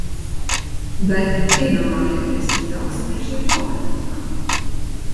Bet, iedomājieties, jaukzemieši ir jauki pret mani!